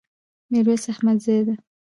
ميرويس احمدزي ده